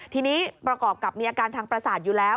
ทีนี้ประกอบกับมีอาการทางประสาทอยู่แล้ว